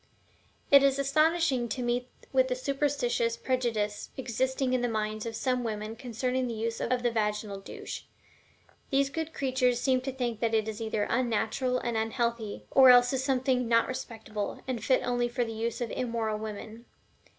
It is astonishing to meet with the superstitious prejudice existing in the minds of some women concerning the use of the vaginal douche; these good creatures seem to think that it is either unnatural and unhealthy, or else is something "not respectable," and fit only for the use of immoral women.